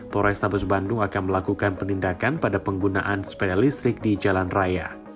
pores tabes bandung akan melakukan penindakan pada penggunaan sepeda listrik di jalan raya